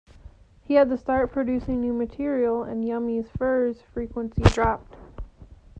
He had to start producing new material, and "Yummy Fur"'s frequency dropped.